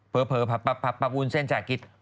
เผอร์ผับอูนเส้นจกิ๊ต